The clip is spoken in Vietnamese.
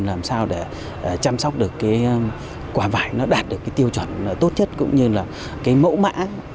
làm sao để chăm sóc được quả vải đạt được tiêu chuẩn tốt nhất cũng như mẫu mã